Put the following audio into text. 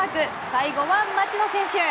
最後は、町野選手！